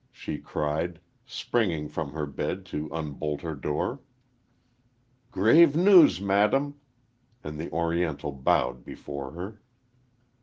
she cried, springing from her bed to unbolt her door. "Grave news, madam," and the Oriental bowed before her.